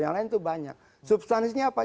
yang lain itu banyak substansinya apa